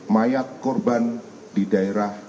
mayat korban di daerah